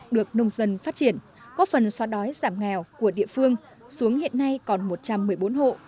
được nông dân phát triển có phần xoa đói giảm nghèo của địa phương xuống hiện nay còn một trăm một mươi bốn hộ